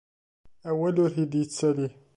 Awal ur tt-id-yettali.